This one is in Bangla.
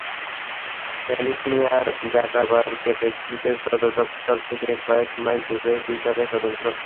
ক্যালিফোর্নিয়ায় জাকারবার্গের ফেসবুকের সদর দপ্তর থেকে কয়েক মাইল দূরেই টুইটারের সদর সপ্তর।